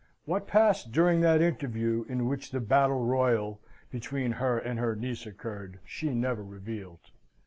What passed during that interview in which the battle royal between her and her niece occurred, she never revealed.